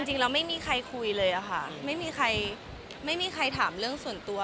จริงแล้วไม่มีใครคุยเลยอะค่ะไม่มีใครไม่มีใครถามเรื่องส่วนตัว